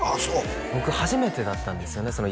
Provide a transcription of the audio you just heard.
そう僕初めてだったんですよね